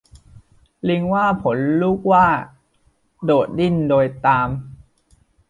ลิงว่าผลลูกหว้า โดดดิ้นโดยตาม